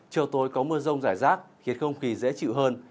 chiều tối có mưa rông rải rác khiến không khí dễ chịu hơn